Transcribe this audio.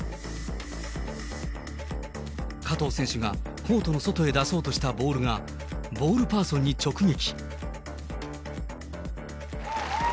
加藤選手がコートの外へ出そうとしたボールが、ボールパーソンに直撃。